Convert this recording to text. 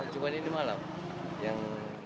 cuma ini malam